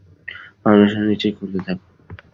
ফাউন্ডেশনের নিচে খুঁড়তে থাকো।